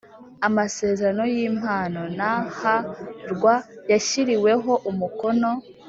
Amasezerano y impano n h rw yashyiriweho umukono